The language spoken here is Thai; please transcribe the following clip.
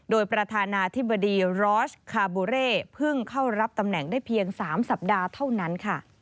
โดยประธานาธิบดีรอสคาบูเร่เพิ่งเข้ารับตำแหน่งได้เพียง๓สัปดาห์เท่านั้นค่ะ